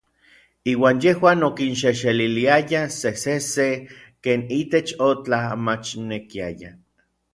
Iuan yejuan okinxejxeliliayaj sesejsej ken itech otla machnekiaya.